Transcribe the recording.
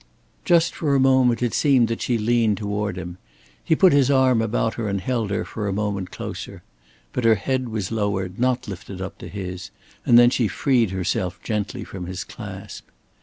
Just for a moment it seemed that she leaned toward him. He put his arm about her and held her for a moment closer. But her head was lowered, not lifted up to his; and then she freed herself gently from his clasp.